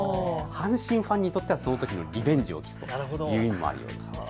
阪神ファンにとってはそのときのリベンジを、という意味もあります。